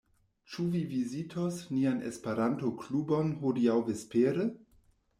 Ĉu vi vizitos nian Esperanto-klubon hodiaŭ vespere?